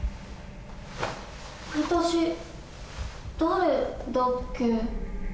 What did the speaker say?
私誰だっけ？